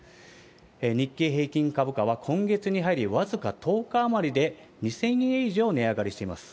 日経平均株価は今月に入り、僅か１０日余りで２０００円以上値上がりしています。